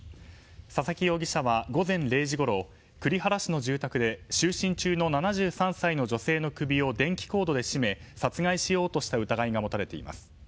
佐々木容疑者は午前０時ごろ栗原市の住宅で就寝中の７３歳の女性の首を電気コードで絞め殺害しようとした疑いが持たれています。